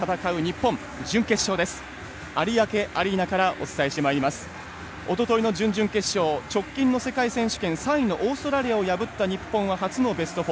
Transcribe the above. おとといの準々決勝直近の世界選手権３位のオーストラリアを破った日本は初のベスト４。